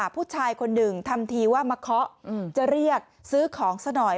ผู้ชายคนหนึ่งทำทีว่ามาเคาะจะเรียกซื้อของซะหน่อย